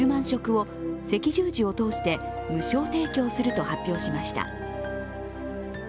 食を赤十字を通して無償提供すると発表しました。